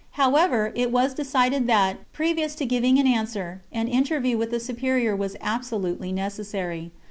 However, it was decided that, previous to giving an answer, an interview with the Superior was absolutely necessary.